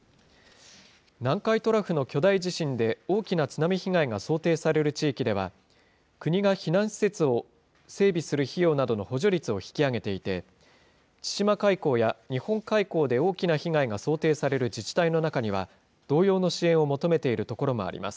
南海トラフの巨大地震で大きな津波被害が想定される地域では、国が避難施設を整備する費用などの補助率を引き上げていて、千島海溝や日本海溝で大きな被害が想定される自治体の中には、同様の支援を求めているところもあります。